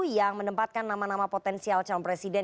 yang menempatkan nama nama potensial calon presiden